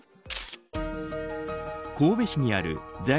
神戸市にある在